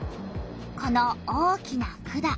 この大きな管。